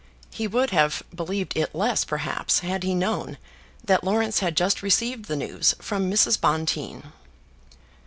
He would have believed it less perhaps had he known that Laurence had just received the news from Mrs. Bonteen.